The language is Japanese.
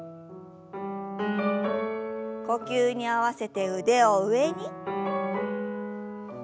呼吸に合わせて腕を上に。